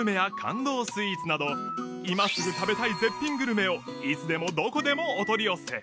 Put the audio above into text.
スイーツなど今すぐ食べたい絶品グルメをいつでもどこでもお取り寄せ